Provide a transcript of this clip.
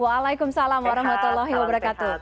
waalaikumsalam warahmatullahi wabarakatuh